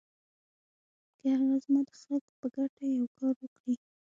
که هغه زما د خلکو په ګټه یو کار وکړي.